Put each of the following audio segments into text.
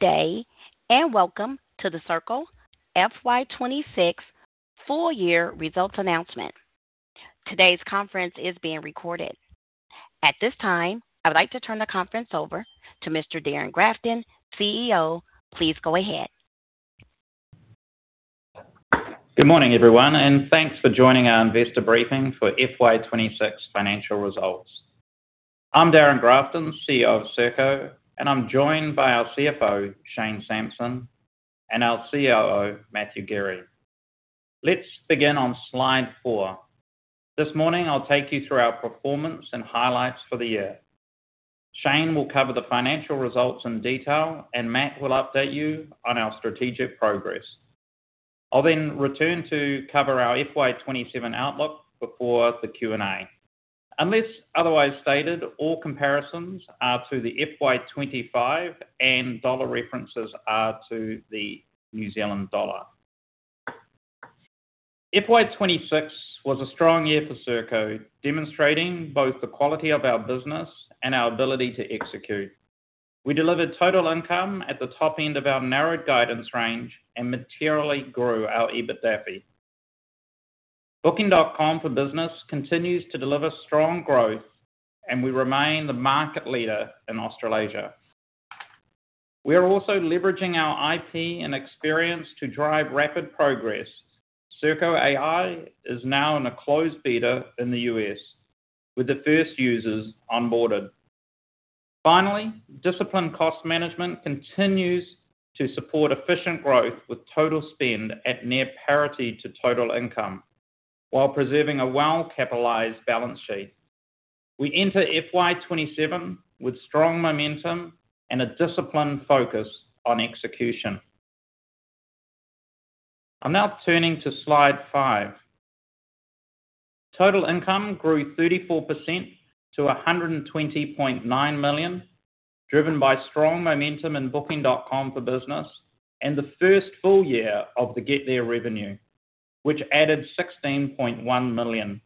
Welcome to the Serko FY 2026 full year results announcement. Today's conference is being recorded. At this time, I would like to turn the conference over to Mr. Darrin Grafton, CEO. Please go ahead. Good morning, everyone, and thanks for joining our investor briefing for FY 2026 financial results. I'm Darrin Grafton, CEO of Serko, and I'm joined by our CFO, Shane Sampson, and our COO, Matthew Gerrie. Let's begin on slide four. This morning, I'll take you through our performance and highlights for the year. Shane will cover the financial results in detail, and Matt will update you on our strategic progress. I'll then return to cover our FY 2027 outlook before the Q&A. Unless otherwise stated, all comparisons are to the FY 2025 and dollar references are to the New Zealand dollar. FY 2026 was a strong year for Serko, demonstrating both the quality of our business and our ability to execute. We delivered total income at the top end of our narrowed guidance range and materially grew our EBITDAFI. Booking.com for Business continues to deliver strong growth, and we remain the market leader in Australasia. We are also leveraging our IP and experience to drive rapid progress. Serko AI is now in a closed beta in the U.S. with the first users onboarded. Disciplined cost management continues to support efficient growth with total spend at near parity to total income while preserving a well-capitalized balance sheet. We enter FY 2027 with strong momentum and a disciplined focus on execution. I'm now turning to slide five. Total income grew 34% to 120.9 million, driven by strong momentum in Booking.com for Business and the first full year of the GetThere revenue, which added 16.1 million.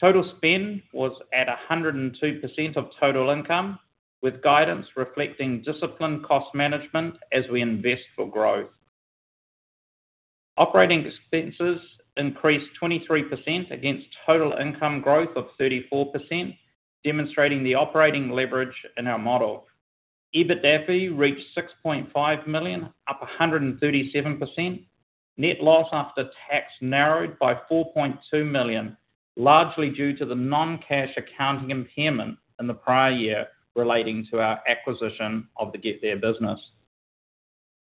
Total spend was at 102% of total income, with guidance reflecting disciplined cost management as we invest for growth. Operating expenses increased 23% against total income growth of 34%, demonstrating the operating leverage in our model. EBITDAFI reached 6.5 million, up 137%. Net loss after tax narrowed by 4.2 million, largely due to the non-cash accounting impairment in the prior year relating to our acquisition of the GetThere business.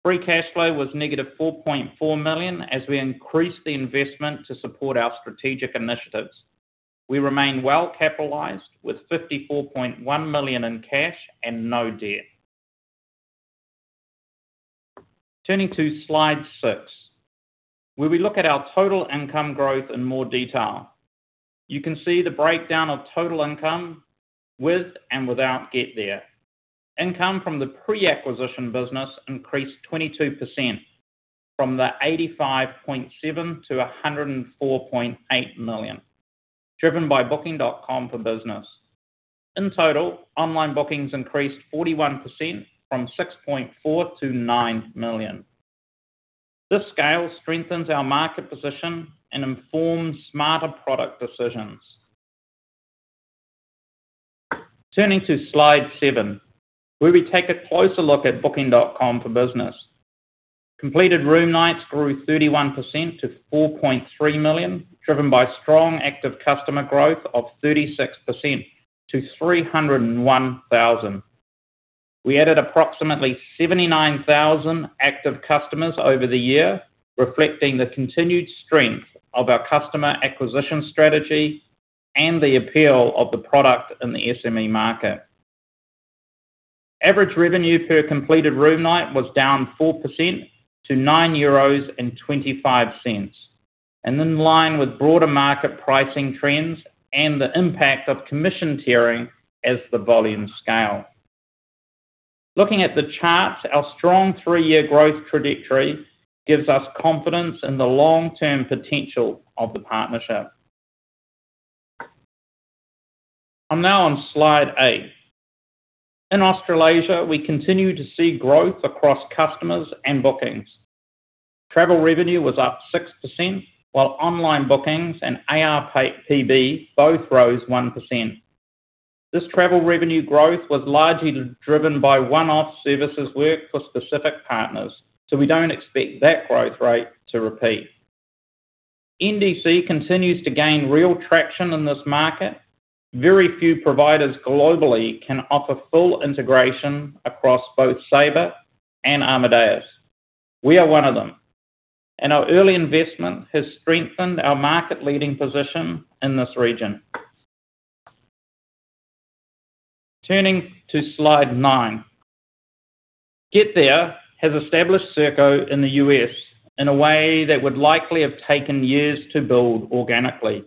Free cash flow was negative 4.4 million as we increased the investment to support our strategic initiatives. We remain well capitalized with 54.1 million in cash and no debt. Turning to slide six, where we look at our total income growth in more detail. You can see the breakdown of total income with and without GetThere. Income from the pre-acquisition business increased 22% from 85.7 million to 104.8 million, driven by Booking.com for Business. In total, online bookings increased 41% from 6.4 million - 9 million. This scale strengthens our market position and informs smarter product decisions. Turning to slide seven, where we take a closer look at Booking.com for Business. Completed room nights grew 31% to 4.3 million, driven by strong active customer growth of 36% to 301,000. We added approximately 79,000 active customers over the year, reflecting the continued strength of our customer acquisition strategy and the appeal of the product in the SME market. Average revenue per completed room night was down 4% to 9.25 euros, in line with broader market pricing trends and the impact of commission tiering as the volume scale. Looking at the charts, our strong three-year growth trajectory gives us confidence in the long-term potential of the partnership. I'm now on slide eight. In Australasia, we continue to see growth across customers and bookings. Travel revenue was up 6%, while online bookings and ARPAB both rose 1%. This travel revenue growth was largely driven by one-off services work for specific partners, so we don't expect that growth rate to repeat. NDC continues to gain real traction in this market. Very few providers globally can offer full integration across both Sabre and Amadeus. We are one of them, and our early investment has strengthened our market-leading position in this region. Turning to slide nine. GetThere has established Serko in the U.S. in a way that would likely have taken years to build organically,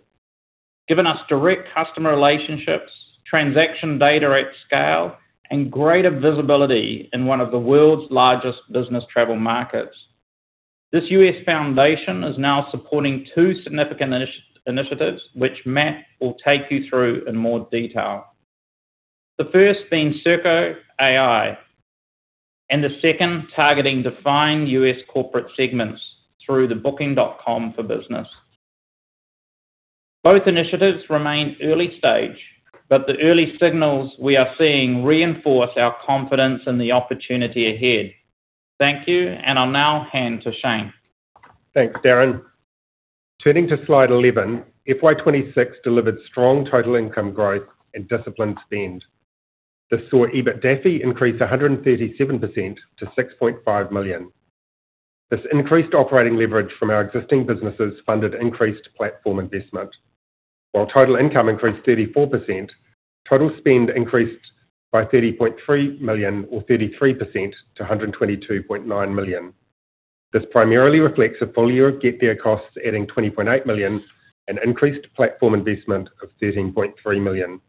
giving us direct customer relationships, transaction data at scale, and greater visibility in one of the world's largest business travel markets. This U.S. foundation is now supporting two significant initiatives which Matt will take you through in more detail. The first being Serko AI and the second targeting defined U.S. corporate segments through the Booking.com for Business. Both initiatives remain early stage, the early signals we are seeing reinforce our confidence in the opportunity ahead. Thank you, I'll now hand to Shane. Thanks, Darrin. Turning to Slide 11, FY 2026 delivered strong total income growth and disciplined spend. This saw EBITDAFI increase 137% to 6.5 million. This increased operating leverage from our existing businesses funded increased platform investment. Total income increased 34%, total spend increased by 30.3 million or 33% to 122.9 million. This primarily reflects a full year of GetThere costs, adding 20.8 million and increased platform investment of 13.3 million.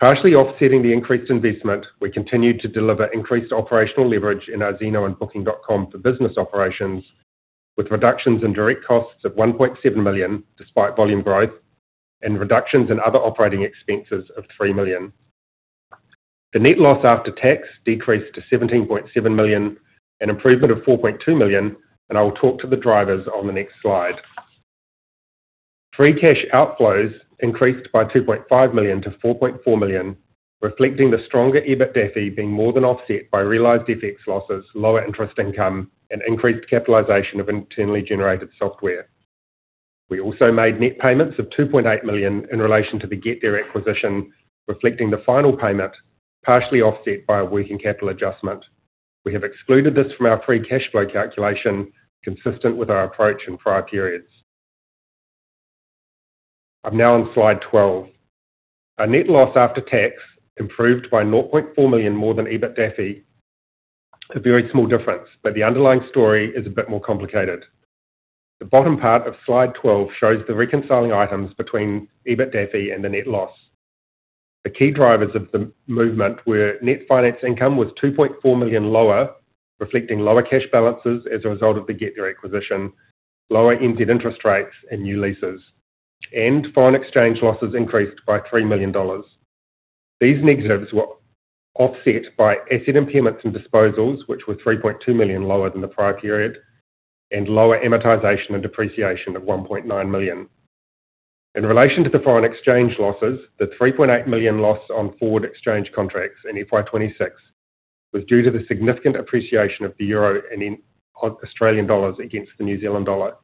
Partially offsetting the increased investment, we continued to deliver increased operational leverage in our Zeno and Booking.com for Business operations with reductions in direct costs of 1.7 million despite volume growth and reductions in other operating expenses of 3 million. The net loss after tax decreased to 17.7 million, an improvement of 4.2 million. I will talk to the drivers on the next slide. Free cash outflows increased by 2.5 million to 4.4 million, reflecting the stronger EBITDAFI being more than offset by realized FX losses, lower interest income and increased capitalization of internally generated software. We also made net payments of 2.8 million in relation to the GetThere acquisition, reflecting the final payment partially offset by a working capital adjustment. We have excluded this from our free cash flow calculation consistent with our approach in prior periods. I'm now on slide 12. Our net loss after tax improved by 0.4 million more than EBITDAFI. A very small difference, but the underlying story is a bit more complicated. The bottom part of slide 12 shows the reconciling items between EBITDAFI and the net loss. The key drivers of the movement were net finance income was 2.4 million lower, reflecting lower cash balances as a result of the GetThere acquisition, lower NZ interest rates and new leases, and foreign exchange losses increased by 3 million dollars. These negatives were offset by asset impairments and disposals, which were 3.2 million lower than the prior period and lower amortization and depreciation of 1.9 million. In relation to the foreign exchange losses, the 3.8 million loss on forward exchange contracts in FY 2026 was due to the significant appreciation of the euro on Australian dollars against the New Zealand dollar.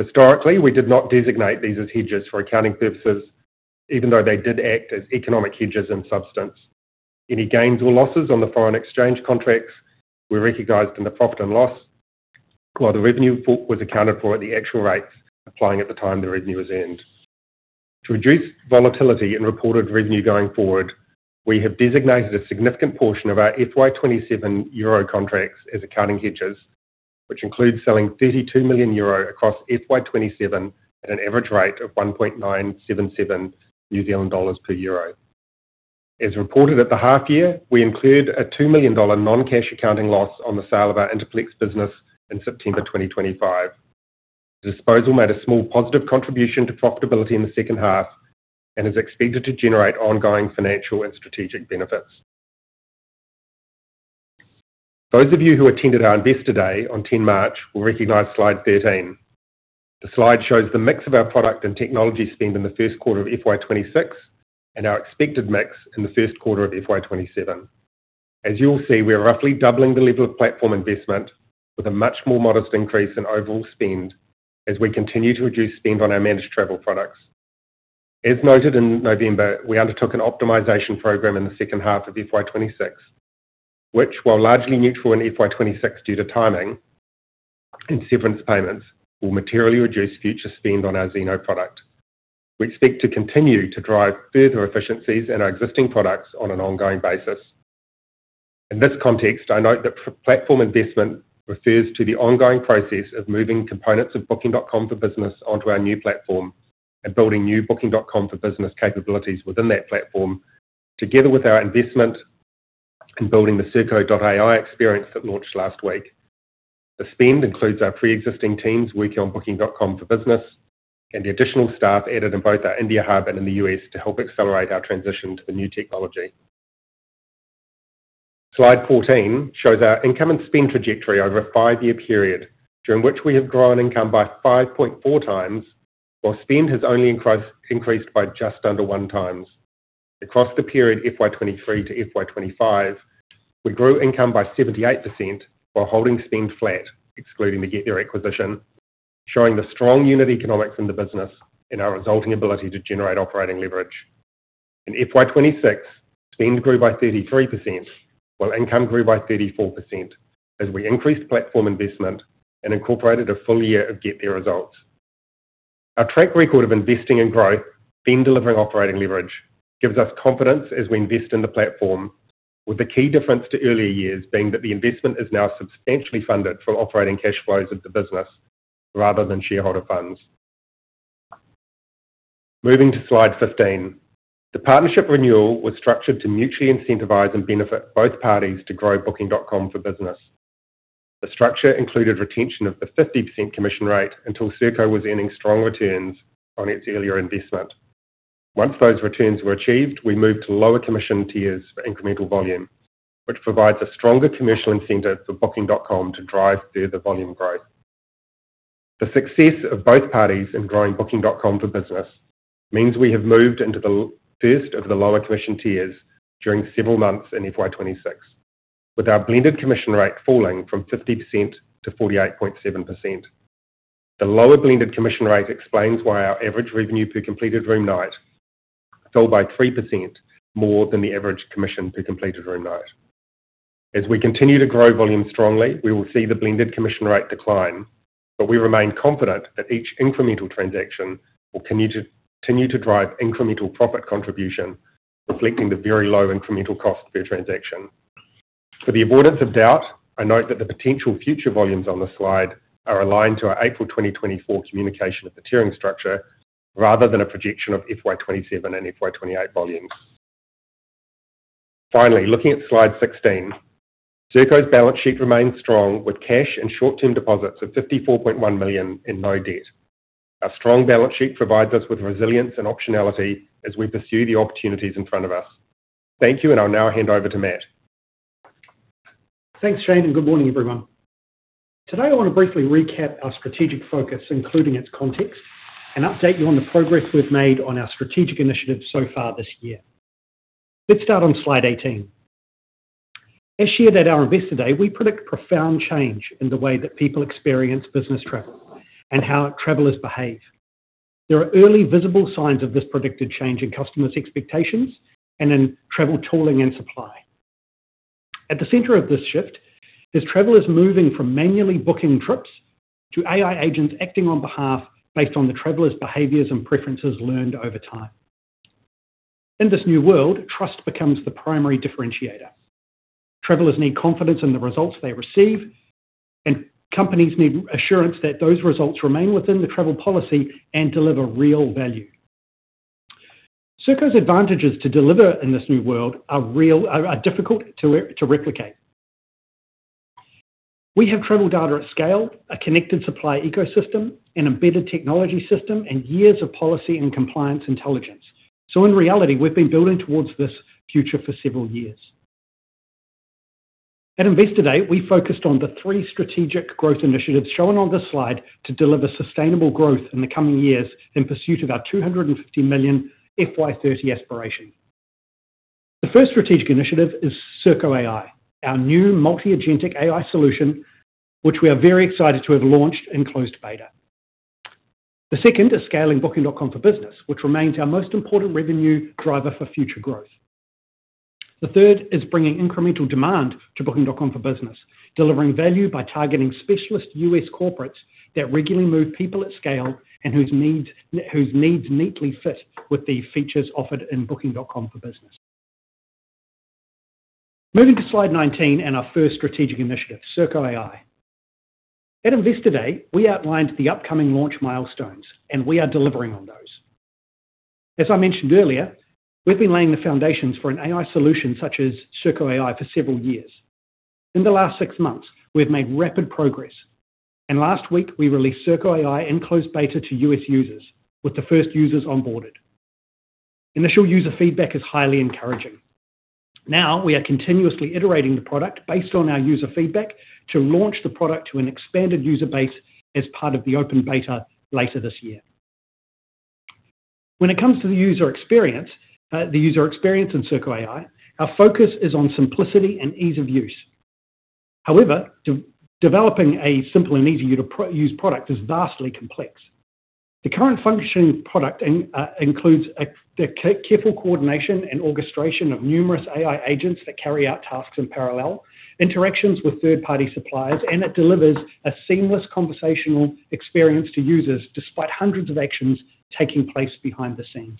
Historically, we did not designate these as hedges for accounting purposes, even though they did act as economic hedges in substance. Any gains or losses on the foreign exchange contracts were recognized in the profit and loss, while the revenue book was accounted for at the actual rates applying at the time the revenue was earned. To reduce volatility in reported revenue going forward, we have designated a significant portion of our FY 2027 EUR contracts as accounting hedges, which includes selling 32 million euro across FY 2027 at an average rate of 1.977 New Zealand dollars per EUR. As reported at the half year, we include a NZD 2 million non-cash accounting loss on the sale of our InterplX business in September 2025. Disposal made a small positive contribution to profitability in the second half and is expected to generate ongoing financial and strategic benefits. Those of you who attended our Investor Day on 10th March will recognize slide 13. The slide shows the mix of our product and technology spend in the first quarter of FY 2026 and our expected mix in the first quarter of FY 2027. As you will see, we are roughly doubling the level of platform investment with a much more modest increase in overall spend as we continue to reduce spend on our managed travel products. As noted in November, we undertook an optimization program in the second half of FY 2026, which, while largely neutral in FY 2026 due to timing and severance payments, will materially reduce future spend on our Zeno product. We expect to continue to drive further efficiencies in our existing products on an ongoing basis. In this context, I note that platform investment refers to the ongoing process of moving components of Booking.com for Business onto our new platform and building new Booking.com for Business capabilities within that platform together with our investment in building the Serko.ai experience that launched last week. The spend includes our preexisting teams working on Booking.com for Business and the additional staff added in both our India hub and in the U.S. to help accelerate our transition to the new technology. Slide 14 shows our income and spend trajectory over a five-year period during which we have grown income by 5.4x while spend has only increased by just under 1x. Across the period FY 2023 to FY 2025, we grew income by 78% while holding spend flat, excluding the GetThere acquisition, showing the strong unit economics in the business and our resulting ability to generate operating leverage. In FY 2026, spend grew by 33% while income grew by 34% as we increased platform investment and incorporated a full year of GetThere results. Our track record of investing in growth then delivering operating leverage gives us confidence as we invest in the platform, with the key difference to earlier years being that the investment is now substantially funded from operating cash flows of the business rather than shareholder funds. Moving to slide 15. The partnership renewal was structured to mutually incentivize and benefit both parties to grow Booking.com for Business. The structure included retention of the 50% commission rate until Serko was earning strong returns on its earlier investment. Once those returns were achieved, we moved to lower commission tiers for incremental volume, which provides a stronger commercial incentive for Booking.com to drive further volume growth. The success of both parties in growing Booking.com for Business means we have moved into the first of the lower commission tiers during several months in FY 2026, with our blended commission rate falling from 50% to 48.7%. The lower blended commission rate explains why our average revenue per completed room night fell by 3% more than the average commission per completed room night. As we continue to grow volume strongly, we will see the blended commission rate decline, but we remain confident that each incremental transaction will continue to drive incremental profit contribution, reflecting the very low incremental cost per transaction. For the avoidance of doubt, I note that the potential future volumes on the slide are aligned to our April 2024 communication of the tiering structure rather than a projection of FY 2027 and FY 2028 volumes. Finally, looking at slide 16, Serko's balance sheet remains strong with cash and short-term deposits of 54.1 million and no debt. Our strong balance sheet provides us with resilience and optionality as we pursue the opportunities in front of us. Thank you. I'll now hand over to Matt. Thanks, Shane. Good morning, everyone. Today, I want to briefly recap our strategic focus, including its context, and update you on the progress we've made on our strategic initiatives so far this year. Let's start on slide 18. As shared at our Investor Day, we predict profound change in the way that people experience business travel and how travelers behave. There are early visible signs of this predicted change in customers' expectations and in travel tooling and supply. At the center of this shift is travelers moving from manually booking trips to AI agents acting on behalf based on the travelers' behaviors and preferences learned over time. In this new world, trust becomes the primary differentiator. Travelers need confidence in the results they receive, and companies need assurance that those results remain within the travel policy and deliver real value. Serko's advantages to deliver in this new world are real, are difficult to replicate. We have travel data at scale, a connected supply ecosystem, an embedded technology system, and years of policy and compliance intelligence. In reality, we've been building towards this future for several years. At Investor Day, we focused on the three strategic growth initiatives shown on this slide to deliver sustainable growth in the coming years in pursuit of our 250 million FY 2030 aspiration. The first strategic initiative is Serko AI, our new multi-agentic AI solution, which we are very excited to have launched in closed beta. The second is scaling Booking.com for Business, which remains our most important revenue driver for future growth. The third is bringing incremental demand to Booking.com for Business, delivering value by targeting specialist U.S. corporates that regularly move people at scale and whose needs neatly fit with the features offered in Booking.com for Business. Moving to slide 19, our first strategic initiative, Serko AI. At Investor Day, we outlined the upcoming launch milestones. We are delivering on those. As I mentioned earlier, we've been laying the foundations for an AI solution such as Serko AI for several years. In the last six months, we've made rapid progress. Last week, we released Serko AI in closed beta to U.S. users with the first users onboarded. Initial user feedback is highly encouraging. Now, we are continuously iterating the product based on our user feedback to launch the product to an expanded user base as part of the open beta later this year. When it comes to the user experience, the user experience in Serko AI, our focus is on simplicity and ease of use. However, developing a simple and easy-to-use product is vastly complex. The current functioning product includes a careful coordination and orchestration of numerous AI agents that carry out tasks in parallel, interactions with third-party suppliers, and it delivers a seamless conversational experience to users despite hundreds of actions taking place behind the scenes.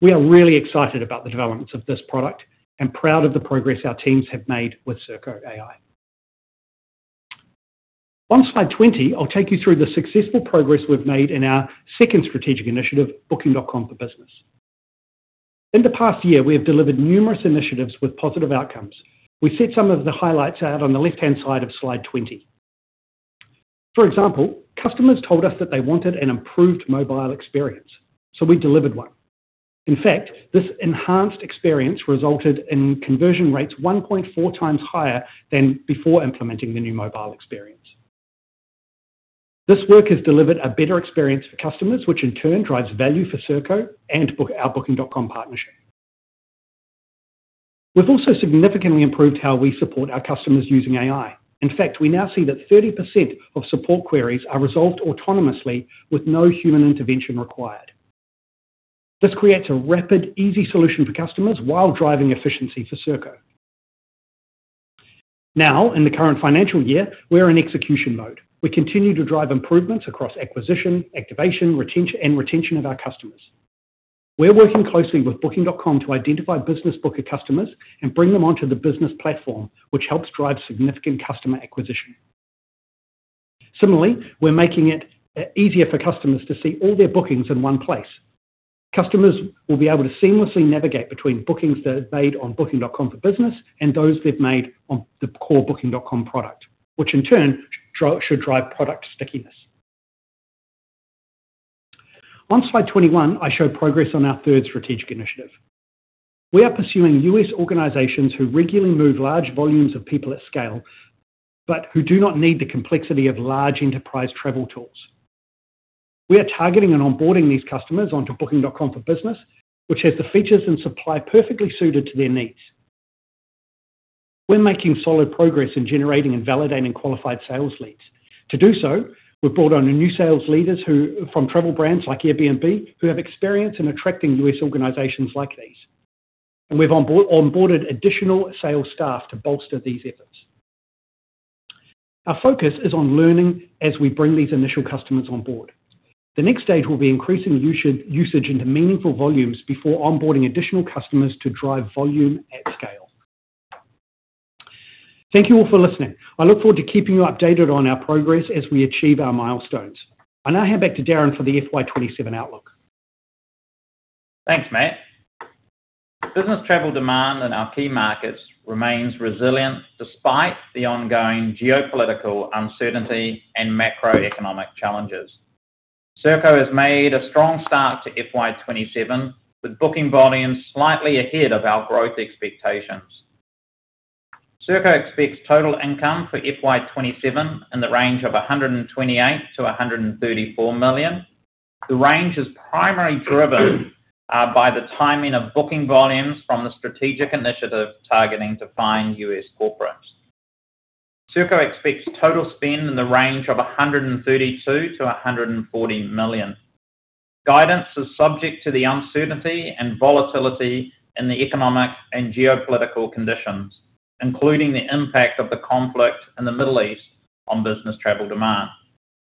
We are really excited about the developments of this product and proud of the progress our teams have made with Serko AI. On slide 20, I'll take you through the successful progress we've made in our second strategic initiative, Booking.com for Business. In the past year, we have delivered numerous initiatives with positive outcomes. We set some of the highlights out on the left-hand side of slide 20. For example, customers told us that they wanted an improved mobile experience, we delivered one. In fact, this enhanced experience resulted in conversion rates 1.4x higher than before implementing the new mobile experience. This work has delivered a better experience for customers, which in turn drives value for Serko and our Booking.com partnership. We've also significantly improved how we support our customers using AI. In fact, we now see that 30% of support queries are resolved autonomously with no human intervention required. This creates a rapid, easy solution for customers while driving efficiency for Serko. In the current financial year, we're in execution mode. We continue to drive improvements across acquisition, activation, and retention of our customers. We're working closely with Booking.com to identify business booker customers and bring them onto the business platform, which helps drive significant customer acquisition. Similarly, we're making it easier for customers to see all their bookings in one place. Customers will be able to seamlessly navigate between bookings that are made on Booking.com for Business and those they've made on the core Booking.com product, which in turn should drive product stickiness. On slide 21, I show progress on our third strategic initiative. We are pursuing U.S. organizations who regularly move large volumes of people at scale, but who do not need the complexity of large enterprise travel tools. We are targeting and onboarding these customers onto Booking.com for Business, which has the features and supply perfectly suited to their needs. We're making solid progress in generating and validating qualified sales leads. To do so, we've brought on new sales leaders from travel brands like Airbnb, who have experience in attracting U.S. organizations like these. We've onboarded additional sales staff to bolster these efforts. Our focus is on learning as we bring these initial customers on board. The next stage will be increasing usage into meaningful volumes before onboarding additional customers to drive volume at scale. Thank you all for listening. I look forward to keeping you updated on our progress as we achieve our milestones. I now hand back to Darrin for the FY 2027 outlook. Thanks, Matt. Business travel demand in our key markets remains resilient despite the ongoing geopolitical uncertainty and macroeconomic challenges. Serko has made a strong start to FY 2027, with booking volumes slightly ahead of our growth expectations. Serko expects total income for FY 2027 in the range of 128 million - 134 million. The range is primarily driven by the timing of booking volumes from the strategic initiative targeting defined U.S. corporates. Serko expects total spend in the range of 132 million - 140 million. Guidance is subject to the uncertainty and volatility in the economic and geopolitical conditions, including the impact of the conflict in the Middle East on business travel demand.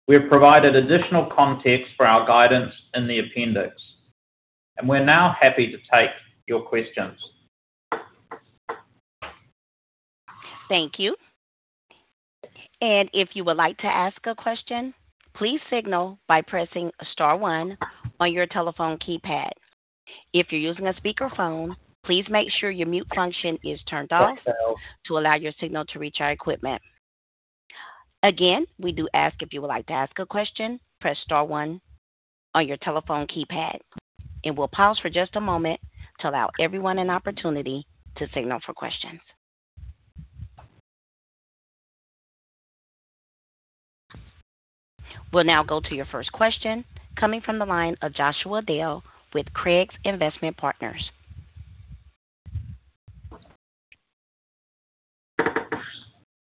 We have provided additional context for our guidance in the appendix, we're now happy to take your questions. Thank you. If you would like to ask a question, please signal by pressing star one on your telephone keypad. If you're using a speakerphone, please make sure your mute function is turned off to allow your signal to reach our equipment. Again, we do ask if you would like to ask a question, press star one on your telephone keypad, and we'll pause for just a moment to allow everyone an opportunity to signal for questions. We'll now go to your first question, coming from the line of Joshua Dale with Craigs Investment Partners.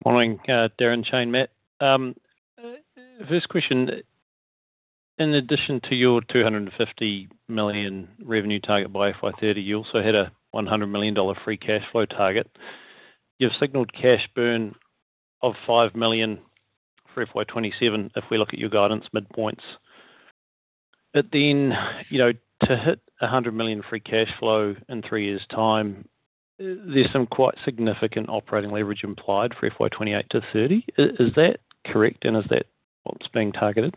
Morning, Darrin, Shane, Matt. First question. In addition to your 250 million revenue target by FY 2030, you also had a 100 million dollar free cash flow target. You've signaled cash burn of 5 million for FY 2027, if we look at your guidance midpoints. You know, to hit 100 million free cash flow in three years' time, there's some quite significant operating leverage implied for FY 2028 to 2030. Is that correct, and is that what's being targeted?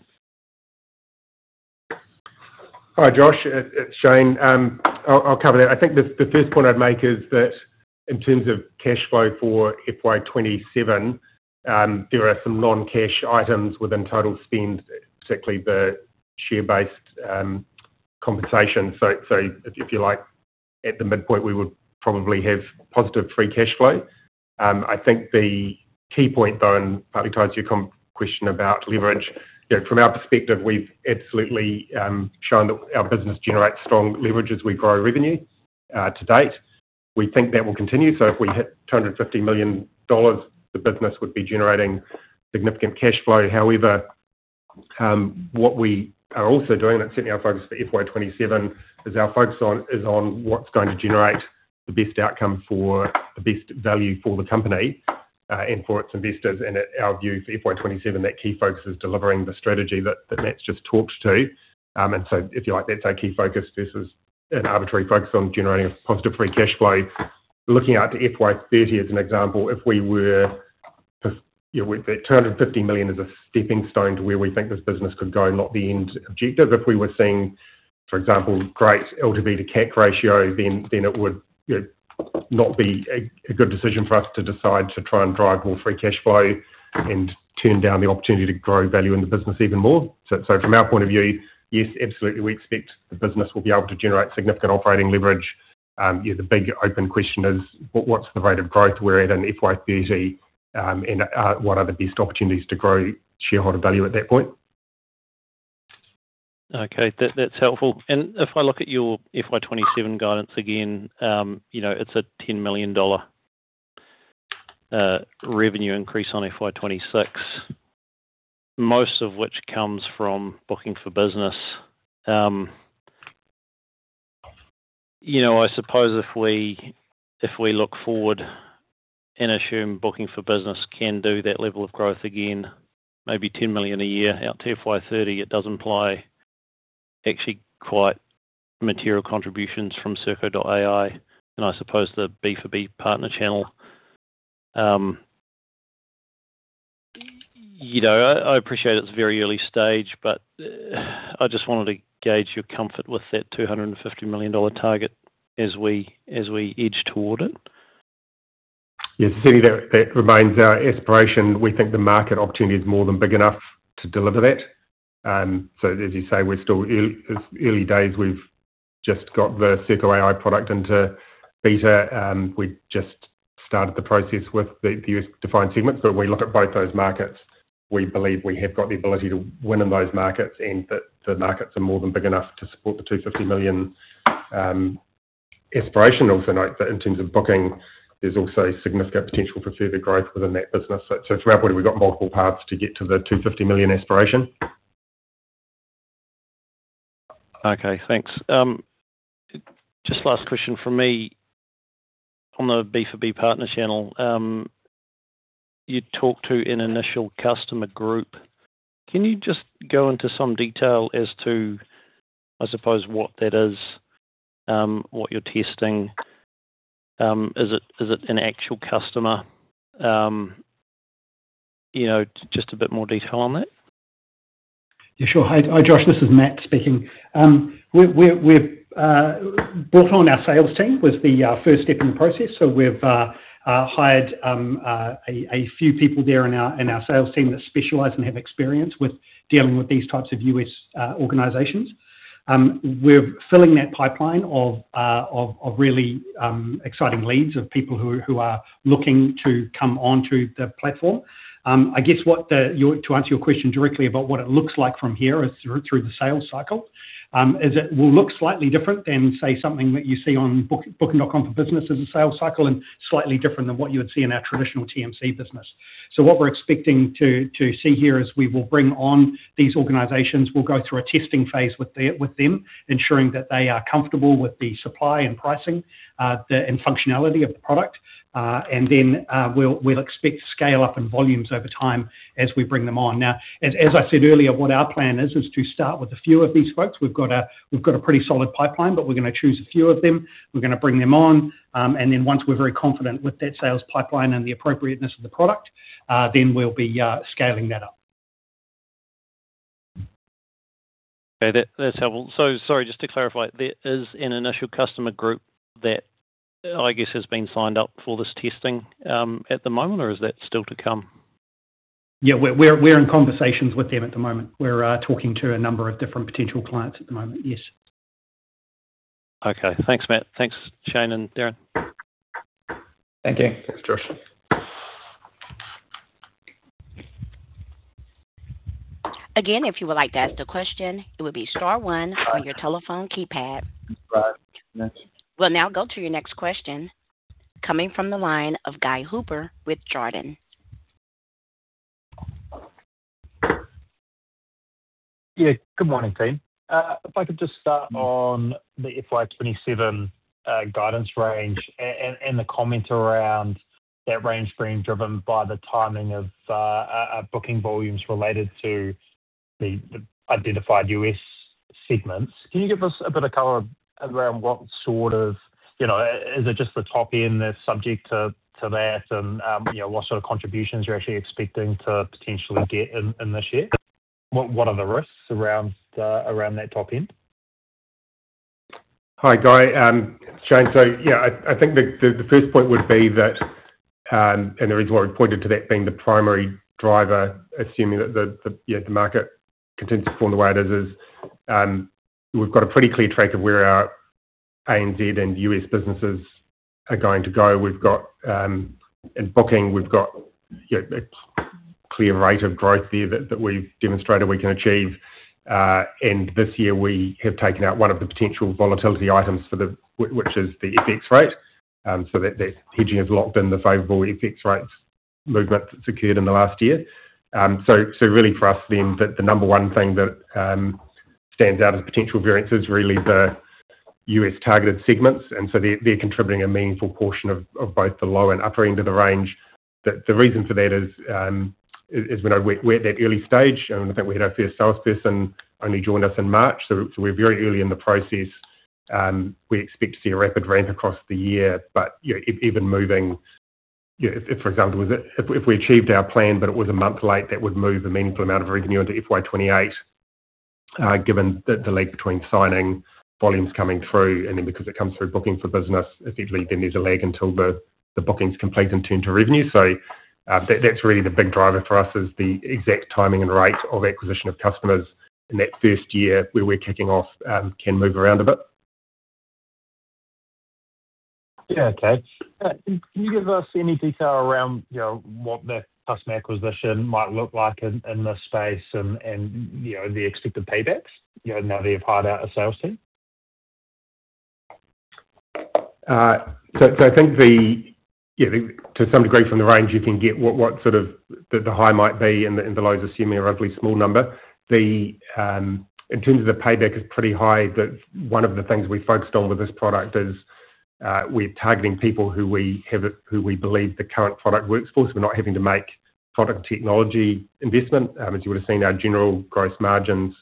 Hi, Josh. It's Shane. I'll cover that. I think the first point I'd make is that in terms of cash flow for FY 2027, there are some non-cash items within total spend, particularly the share-based compensation. If you like, at the midpoint, we would probably have positive free cash flow. I think the key point, though, and partly ties to your question about leverage. You know, from our perspective, we've absolutely shown that our business generates strong leverage as we grow revenue to date. We think that will continue. If we hit 250 million dollars, the business would be generating significant cash flow. However, what we are also doing, and certainly our focus for FY 2027, is on what's going to generate the best outcome for the best value for the company and for its investors. At our view, for FY 2027, that key focus is delivering the strategy that Matthew's just talked to. If you like, that's our key focus versus an arbitrary focus on generating a positive free cash flow. Looking out to FY 2030 as an example, that 250 million is a stepping stone to where we think this business could go, not the end objective. If we were seeing, for example, great LTV to CAC ratio, then it would, you know, not be a good decision for us to decide to try and drive more free cash flow and turn down the opportunity to grow value in the business even more. From our point of view, yes, absolutely, we expect the business will be able to generate significant operating leverage. The big open question is what's the rate of growth we're at in FY 2030, and what are the best opportunities to grow shareholder value at that point. Okay. That's helpful. If I look at your FY 2027 guidance again, you know, it's a 10 million dollar revenue increase on FY 2026. Most of which comes from Booking.com for Business. You know, I suppose if we look forward and assume Booking.com for Business can do that level of growth again, maybe 10 million a year out to FY 2030, it does imply actually quite material contributions from Serko.ai and I suppose the B4B partner channel. You know, I appreciate it's very early stage, I just wanted to gauge your comfort with that 250 million dollars target as we edge toward it. Yes, certainly that remains our aspiration. We think the market opportunity is more than big enough to deliver that. as you say, we're still as early days. We've just got the Serko AI product into beta. We've just started the process with the U.S. defined segments. When we look at both those markets, we believe we have got the ability to win in those markets and that the markets are more than big enough to support the 250 million aspiration. Also note that in terms of Booking.com, there's also significant potential for further growth within that business. From our point of view, we've got multiple paths to get to the 250 million aspiration. Thanks. Just last question from me. On the B4B partner channel, you talked to an initial customer group. Can you just go into some detail as to, I suppose, what that is, what you're testing? Is it an actual customer? You know, just a bit more detail on that. Yeah, sure. Hi, Josh, this is Matt speaking. We've brought on our sales team was the first step in the process. We've hired a few people there in our sales team that specialize and have experience with dealing with these types of U.S. organizations. We're filling that pipeline of really exciting leads of people who are looking to come onto the platform. I guess to answer your question directly about what it looks like from here is through the sales cycle, it will look slightly different than, say, something that you see on Booking.com for Business as a sales cycle and slightly different than what you would see in our traditional TMC business. What we're expecting to see here is we will bring on these organizations. We'll go through a testing phase with them, ensuring that they are comfortable with the supply and pricing and functionality of the product. We'll expect scale up in volumes over time as we bring them on. As I said earlier, what our plan is to start with a few of these folks. We've got a pretty solid pipeline, but we're gonna choose a few of them. We're gonna bring them on. Once we're very confident with that sales pipeline and the appropriateness of the product, then we'll be scaling that up. Okay. That's helpful. Sorry, just to clarify, there is an initial customer group that I guess has been signed up for this testing, at the moment, or is that still to come? Yeah, we're in conversations with them at the moment. We're talking to a number of different potential clients at the moment. Yes. Okay. Thanks, Matt. Thanks, Shane and Darrin. Thank you. Thanks, Joshua. If you would like to ask a question, it would be star one on your telephone keypad. We'll now go to your next question coming from the line of Guy Hooper with Jarden. Yeah. Good morning, team. If I could just start on the FY 2027 guidance range and the comment around that range being driven by the timing of booking volumes related to the identified U.S. segments. Can you give us a bit of color around, you know, is it just the top end that's subject to that and, you know, what sort of contributions you're actually expecting to potentially get in this year? What are the risks around that top end? Hi, Guy. Shane. Yeah, I think the, the first point would be that, and the reason why we pointed to that being the primary driver, assuming that the, you know, the market continues to form the way it is, we've got a pretty clear track of where our ANZ and U.S. businesses are going to go. We've got, in Booking.com, we've got, you know, a clear rate of growth there that we've demonstrated we can achieve. This year we have taken out one of the potential volatility items, which is the FX rate. That hedging has locked in the favorable FX rates movement that's occurred in the last year. Really for us then, the number one thing that stands out as potential variances really the U.S. targeted segments. They're contributing a meaningful portion of both the low and upper end of the range. The reason for that is when we're at that early stage, and I think we had our first salesperson only joined us in March. We're very early in the process. We expect to see a rapid ramp across the year. You know, even moving, you know, if, for example, if we achieved our plan but it was one month late, that would move a meaningful amount of revenue into FY 2028, given the lag between signing volumes coming through, and then because it comes through Booking.com for Business, effectively then there's a lag until the booking's complete and turned to revenue. That's really the big driver for us is the exact timing and rate of acquisition of customers in that first year where we're kicking off, can move around a bit. Yeah. Okay. Can you give us any detail around, you know, what the customer acquisition might look like in this space and, you know, the expected paybacks, you know, now that you've hired out a sales team? I think, yeah, to some degree from the range, you can get what sort of the high might be and the lows assuming a roughly small number. In terms of the payback is pretty high. One of the things we focused on with this product is we're targeting people who we believe the current product works for, we're not having to make product technology investment. As you would've seen our general gross margins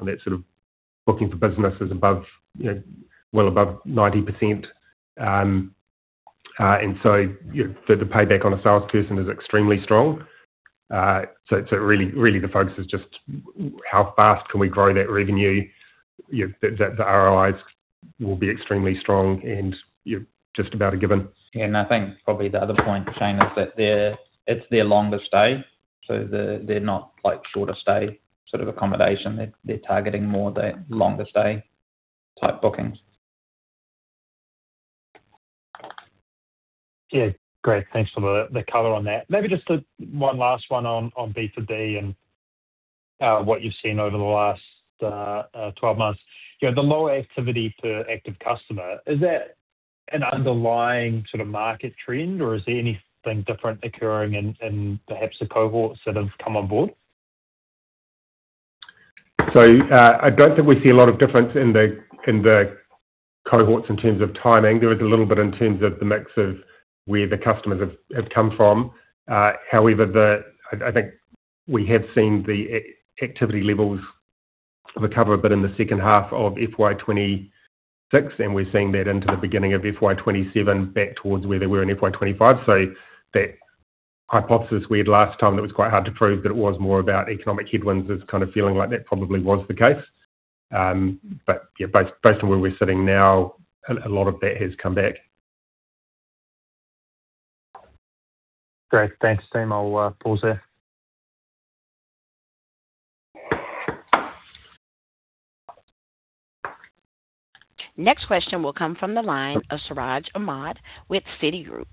on that sort of Booking.com for Business is above, you know, well above 90%. You know, the payback on a salesperson is extremely strong. Really the focus is just how fast can we grow that revenue. You know, the ROIs will be extremely strong and just about a given. Yeah. I think probably the other point, Shane, is that it's their longer stay, so they're not like shorter stay sort of accommodation. They're targeting more the longer stay type bookings. Yeah, great. Thanks for the color on that. Maybe just one last one on B4B and what you've seen over the last 12 months. You know, the lower activity per active customer, is that an underlying sort of market trend or is there anything different occurring in perhaps the cohorts that have come on board? I don't think we see a lot of difference in the, in the cohorts in terms of timing. There is a little bit in terms of the mix of where the customers have come from. However, I think we have seen the activity levels recover a bit in the second half of FY 2026, and we're seeing that into the beginning of FY 2027 back towards where they were in FY 2025. That hypothesis we had last time that was quite hard to prove, that it was more about economic headwinds is kind of feeling like that probably was the case. Yeah, based on where we're sitting now, a lot of that has come back. Great. Thanks, team. I'll pause there. Next question will come from the line of Siraj Ahmed with Citigroup.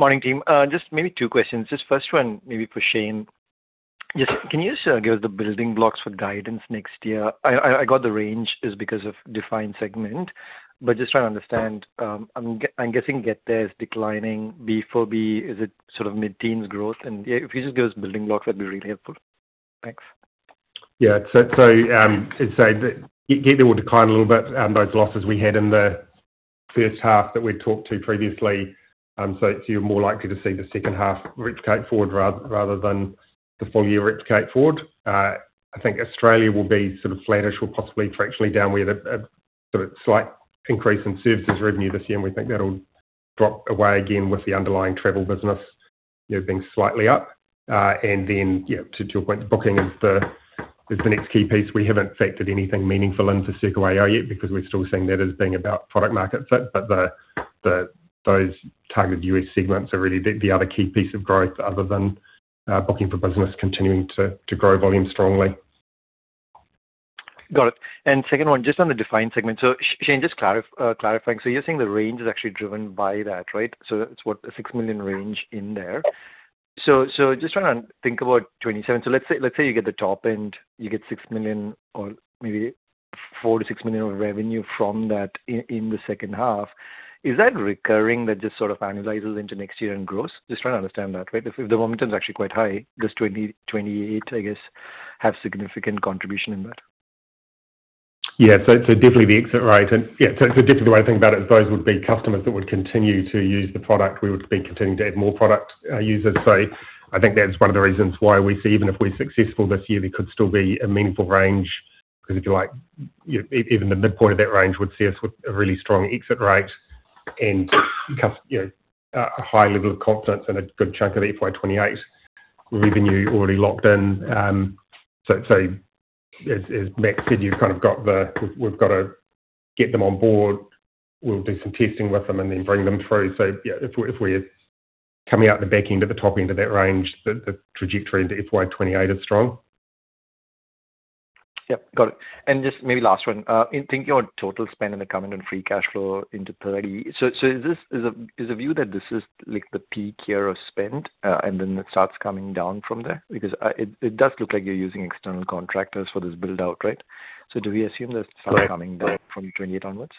Morning, team. Just maybe two questions. Just first one maybe for Shane. Can you just give us the building blocks for guidance next year? I got the range is because of defined segment, but just trying to understand, I'm guessing GetThere is declining. B4B, is it sort of mid-teens growth? Yeah, if you just give us building blocks, that'd be really helpful. Thanks. As I said, GetThere will decline a little bit. Those losses we had in the first half that we'd talked to previously, so you're more likely to see the second half replicate forward rather than the full year replicate forward. I think Australia will be sort of flattish or possibly fractionally down. We had a sort of slight increase in services revenue this year, and we think that'll drop away again with the underlying travel business, you know, being slightly up. Then, to your point, the booking is the next key piece. We haven't factored anything meaningful into Serko AI yet because we're still seeing that as being about product market fit. Those targeted U.S. segments are really the other key piece of growth other than Booking for Business continuing to grow volume strongly. Got it. Second one, just on the defined segment. Shane, just clarifying, you're saying the range is actually driven by that, right? It's, what, a 6 million range in there. Just trying to think about 2027. Let's say you get the top end, you get 6 million or maybe 4 million - 6 million of revenue from that in the second half. Is that recurring, that just sort of annualizes into next year and grows? Just trying to understand that, right? If the momentum is actually quite high, does 2028, I guess, have significant contribution in that? Yeah. Definitely the exit rate and, yeah, so definitely the way to think about it is those would be customers that would continue to use the product. We would be continuing to add more product, users. I think that's one of the reasons why we see even if we're successful this year, there could still be a meaningful range, 'cause if you like, you know, even the midpoint of that range would see us with a really strong exit rate and you know, a high level of confidence and a good chunk of FY 2028 revenue already locked in. As Matt said, you've kind of got the we've got to get them on board. We'll do some testing with them and then bring them through. Yeah, if we're coming out the back end or the top end of that range, the trajectory into FY 2028 is strong. Yep. Got it. Just maybe last one. In thinking of total spend in the coming and free cash flow into 2030, is the view that this is like the peak year of spend and then it starts coming down from there? It does look like you're using external contractors for this build-out, right? Do we assume there's some coming down from 2028 onwards?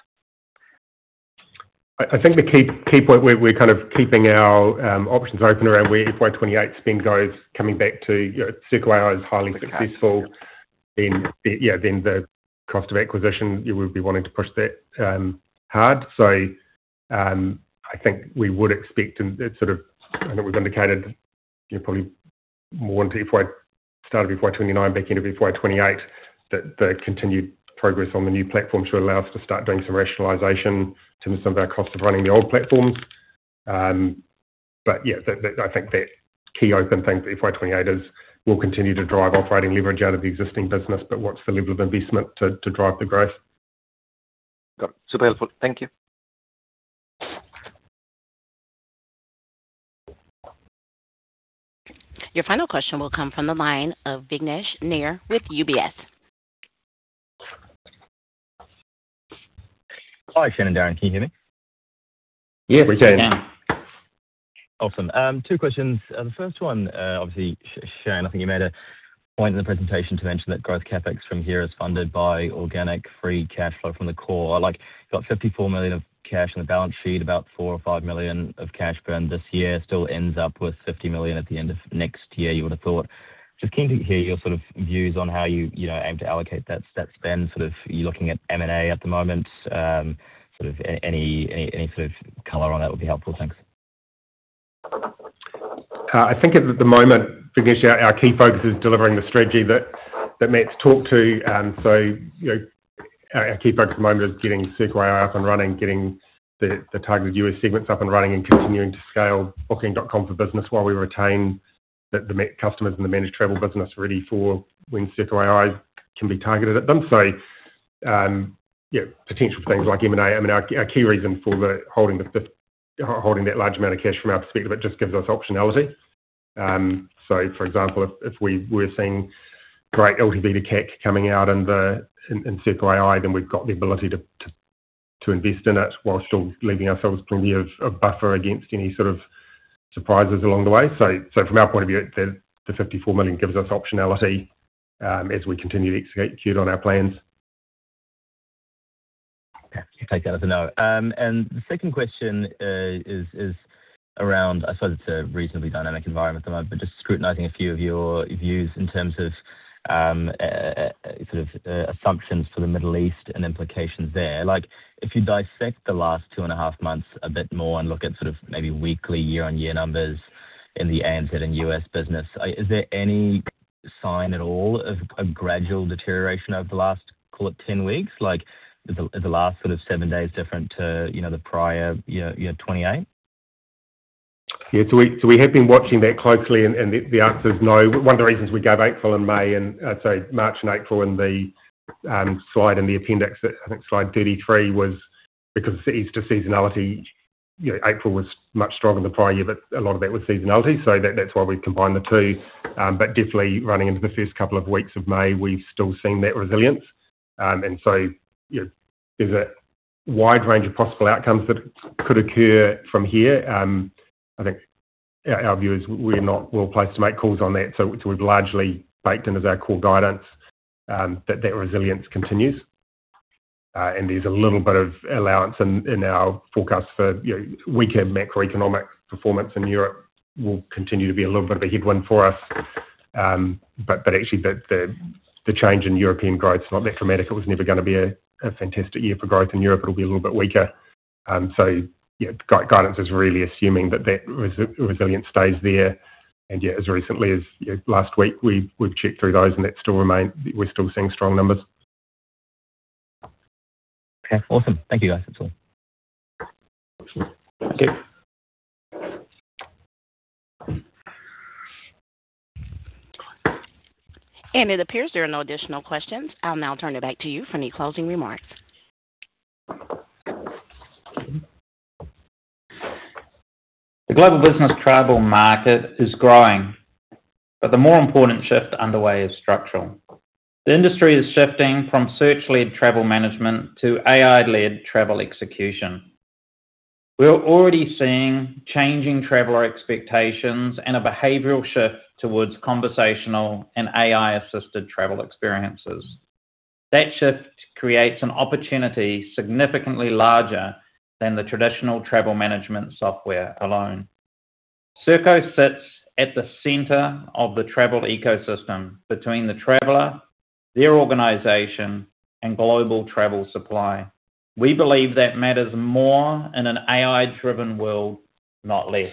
I think the key point we're kind of keeping our options open around where FY 2028 spend goes, coming back to, you know, if Serko AI is highly successful, then, yeah, then the cost of acquisition, you would be wanting to push that hard. I think we would expect and it sort of and I think we've indicated, you know, probably more into FY 2029, start of FY 2029, back end of FY 2028, that the continued progress on the new platform should allow us to start doing some rationalization in terms of some of our costs of running the old platform. Yeah, the key open thing for FY 2028 is we'll continue to drive operating leverage out of the existing business, but what's the level of investment to drive the growth. Got it. Super helpful. Thank you. Your final question will come from the line of Vignesh Nair with UBS. Hi, Shane and Darrin. Can you hear me? Yeah. Awesome. Two questions. The first one, obviously, Shane, I think you made a point in the presentation to mention that growth CapEx from here is funded by organic free cash flow from the core. Like, you've got 54 million of cash on the balance sheet, about 4 million or 5 million of cash burn this year. Still ends up with 50 million at the end of next year you would've thought. Just keen to hear your sort of views on how you know, aim to allocate that spend. Are you looking at M&A at the moment? Any sort of color on that would be helpful. Thanks. I think at the moment, Vignesh, our key focus is delivering the strategy that Matt's talked to. You know, our key focus at the moment is getting Serko AI up and running, getting the targeted U.S. segments up and running, and continuing to scale Booking.com for Business while we retain the customers in the managed travel business really for when Serko AI can be targeted at them. Yeah, potential things like M&A. I mean, our key reason for holding that large amount of cash from our perspective, it just gives us optionality. For example, if we were seeing great LTV to CAC coming out in Serko AI, then we've got the ability to invest in it while still leaving ourselves plenty of buffer against any sort of surprises along the way. From our point of view, the 54 million gives us optionality, as we continue to execute on our plans. Okay. Take that as a no. The second question is around I suppose it's a reasonably dynamic environment at the moment, but just scrutinizing a few of your views in terms of sort of assumptions for the Middle East and implications there. Like if you dissect the last two and a half months a bit more and look at sort of maybe weekly year-on-year numbers in the ANZ and U.S. business, is there any sign at all of a gradual deterioration over the last, call it 10 weeks? Like are the last sort of seven days different to, you know, the prior year 2028? Yeah. We have been watching that closely, and the answer is no. One of the reasons we gave April and May and, sorry, March and April in the slide in the appendix, I think slide 33, was because it's Easter seasonality. You know, April was much stronger than the prior year, a lot of that was seasonality. That's why we combined the two. Definitely running into the first couple of weeks of May, we've still seen that resilience. You know, there's a wide range of possible outcomes that could occur from here. I think our view is we're not well placed to make calls on that. We've largely baked into our core guidance that resilience continues. There's a little bit of allowance in our forecast for, you know, weaker macroeconomic performance in Europe will continue to be a little bit of a headwind for us. Actually the change in European growth's not that dramatic. It was never gonna be a fantastic year for growth in Europe. It'll be a little bit weaker. Yeah, guidance is really assuming that that resilience stays there. Yeah, as recently as, you know, last week, we've checked through those and that still remains. We're still seeing strong numbers. Okay. Awesome. Thank you, guys. That's all. Thank you. It appears there are no additional questions. I'll now turn it back to you for any closing remarks. The global business travel market is growing, but the more important shift underway is structural. The industry is shifting from search-led travel management to AI-led travel execution. We're already seeing changing traveler expectations and a behavioral shift towards conversational and AI-assisted travel experiences. That shift creates an opportunity significantly larger than the traditional travel management software alone. Serko sits at the center of the travel ecosystem between the traveler, their organization, and global travel supply. We believe that matters more in an AI-driven world, not less.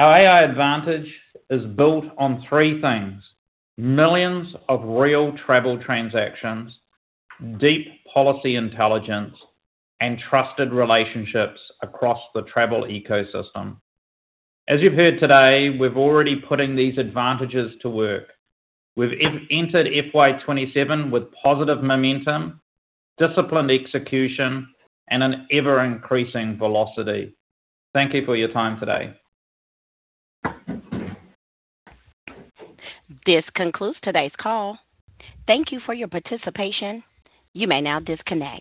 Our AI advantage is built on three things: millions of real travel transactions, deep policy intelligence, and trusted relationships across the travel ecosystem. As you've heard today, we're already putting these advantages to work. We've entered FY 2027 with positive momentum, disciplined execution, and an ever-increasing velocity. Thank you for your time today. This concludes today's call. Thank you for your participation. You may now disconnect.